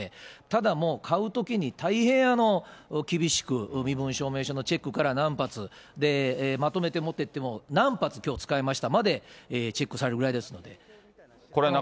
ただもう、買うときに大変厳しく身分証明書のチェックから、何発、まとめて持っていっても、きょう何発使いましたまでチェックされるぐらいですから。